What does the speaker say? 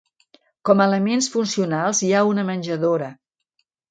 Com a elements funcionals hi ha una menjadora.